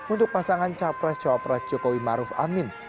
untuk pasangan capres cawapres jokowi maruf amin